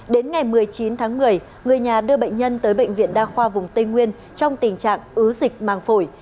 đến ngày một mươi chín tháng một mươi người nhà đưa bệnh nhân tới bệnh viện đa khoa vùng tây nguyên trong tình trạng ứ dịch màng phổi